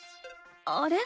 あれ？